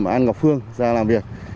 an ngọc phương ra làm việc